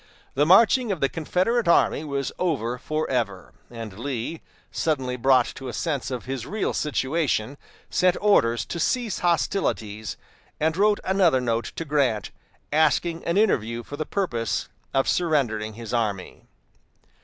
The marching of the Confederate army was over forever, and Lee, suddenly brought to a sense of his real situation, sent orders to cease hostilities, and wrote another note to Grant, asking an interview for the purpose of surrendering his army.